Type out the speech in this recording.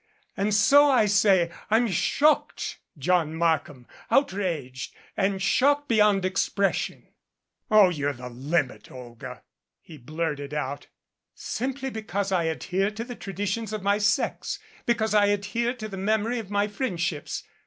And so I say I'm shocked, John Markham, outraged and shocked beyond expression." "Oh, you're the limit, Olga," he blurted out. "Simply because I adhere to the traditions of my sex, because I adhere to the memory of my friendships.